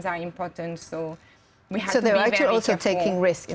jadi mereka juga berpikir berhenti berbicara dengan orang lain